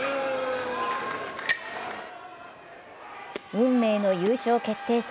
運命の優勝決定戦。